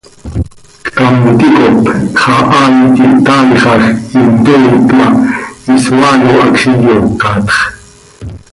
Cmaam ticop xahaai quih taaixaj, intooit ma, isoaano hacx iyoocatx.